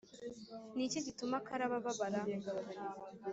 Ni iki gituma Karabo ababara?